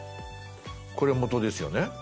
これ元ですよね。